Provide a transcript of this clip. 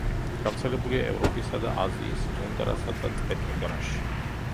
გავრცელებულია ევროპისა და აზიის ტუნდრასა და ტყე-ტუნდრაში.